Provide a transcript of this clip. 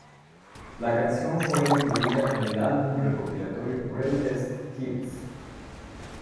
La canción fue incluida en el álbum recopilatorio "Greatest Hits".